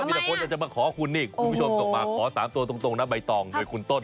มีแต่คนอยากจะมาขอคุณนี่คุณผู้ชมส่งมาขอ๓ตัวตรงนะใบตองโดยคุณต้น